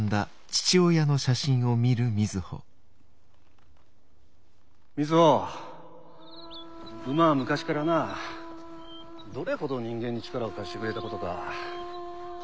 回想瑞穂馬は昔からなどれほど人間に力を貸してくれたことか。